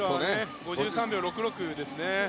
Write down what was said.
５３秒６６ですね。